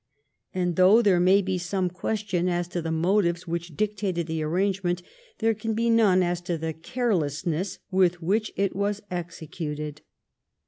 And though there may be some question as to the motives which dictated the arrangement^ there can be none as to the carelessness with which it was executed.